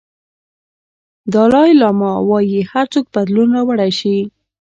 دالای لاما وایي هر څوک بدلون راوړلی شي.